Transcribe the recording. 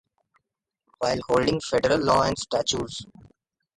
While holding federal law and statues.